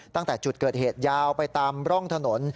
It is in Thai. ตั้งแต่จุดเกิดเหตุยาวไปตามร่องถนน